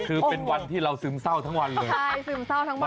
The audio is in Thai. คือเป็นวันที่เราซึมเศร้าทั้งวันเลยใช่ซึมเศร้าทั้งบ้าน